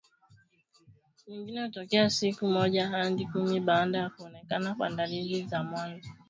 mwingine hutokea siku moja hadi kumi baada ya kuonekana kwa dalili za mwanzo